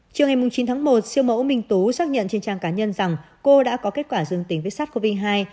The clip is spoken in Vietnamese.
trước ngày chín tháng một siêu mẫu minh tú xác nhận trên trang cá nhân rằng cô đã có kết quả dương tính viết sát covid một mươi chín